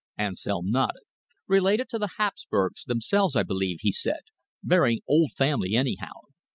Ansell nodded. "Related to the Hapsburgs themselves, I believe," he said. "Very old family, anyhow.